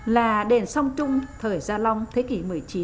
là đền song trung thời gia long thế kỷ một mươi chín